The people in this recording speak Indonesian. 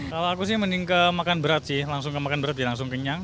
kalau aku sih mending ke makan berat sih langsung ke makan berat jadi langsung kenyang